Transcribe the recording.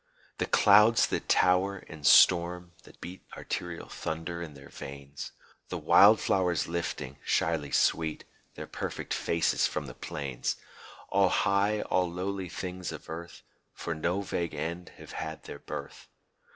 The clouds, that tower in storm, that beat Arterial thunder in their veins; The wildflowers lifting, shyly sweet, Their perfect faces from the plains, All high, all lowly things of Earth For no vague end have had their birth.